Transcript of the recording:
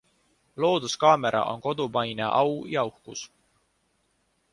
Looduskaamera on kodumaine au ja uhkus.